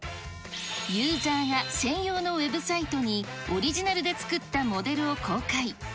ユーザーが専用のウェブサイトに、オリジナルで作ったモデルを公開。